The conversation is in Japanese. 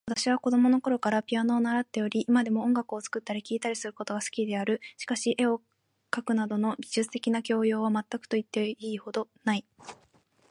私は子供のころからピアノを習っており、今でも音楽を作ったり聴いたりすることが好きである。しかし、絵を描くなどの美術的な教養は全くと言ってよいほどない。